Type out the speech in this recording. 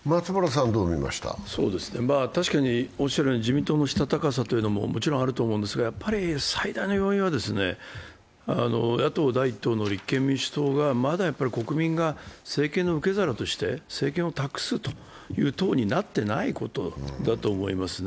確かに自民党のしたたかさというのももちろんあると思うんですが、やっぱり最大の要因は、野党第１党の立憲民主党がまだ国民が政権の受け皿として政権を託すという党になっていないことだと思いますね。